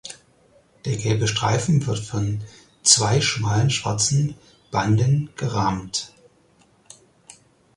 Der gelbe Streifen wird von zwei schmalen schwarzen Banden gerahmt.